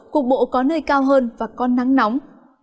cục bộ có nơi cao hơn và có nắng nóng